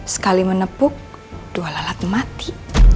sekali menepuk dua lalat mati